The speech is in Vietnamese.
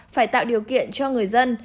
phải tạo điều kiện cho người dân